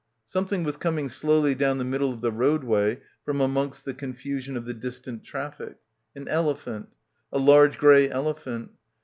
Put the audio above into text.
Something was coming slowly down the middle of the roadway from amongst the confusion of the distant traffic; an elephant — a large grey ele phant.